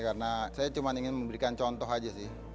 karena saya cuma ingin memberikan contoh aja sih